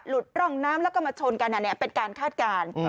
หลุดร่องน้ำและก็มาชนกันนี่เป็นการคาดการณ์